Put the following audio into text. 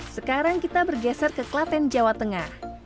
sekarang kita bergeser ke klaten jawa tengah